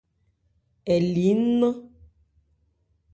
Ɛ li nnán.